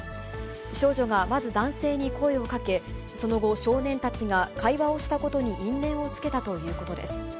少女がまず男性に声をかけ、その後少年たちが会話をしたことに因縁をつけたということです。